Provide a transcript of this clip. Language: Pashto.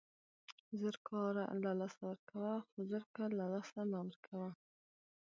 زر کاره له لاسه ورکوه، خو زرکه له له لاسه مه ورکوه!